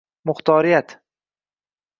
Muxtoriyat